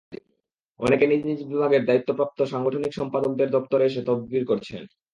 অনেকে নিজ নিজ বিভাগের দায়িত্বপ্রাপ্ত সাংগঠনিক সম্পাদকদের দপ্তরে এসে তদবির করছেন।